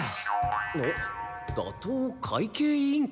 打倒会計委員会？